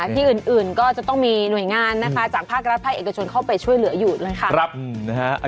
ที่อื่นก็จะต้องมีหน่วยงานนะคะจากภาครัฐภาคเอกชนเข้าไปช่วยเหลืออยู่เลยค่ะ